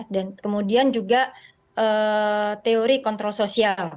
dan kemudian juga teori kontrol sosial